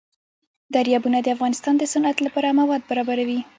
دریابونه د افغانستان د صنعت لپاره مواد برابروي.